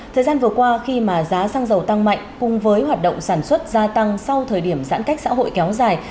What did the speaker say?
thời gian vừa qua khi mà giá xăng dầu tăng mạnh cùng với hoạt động sản xuất gia tăng sau thời điểm giãn cách xã hội kéo dài